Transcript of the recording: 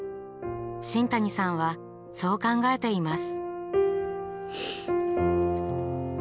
新谷さんはそう考えています。